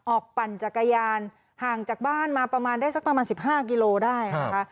ปั่นจักรยานห่างจากบ้านมาประมาณได้สักประมาณ๑๕กิโลได้นะคะ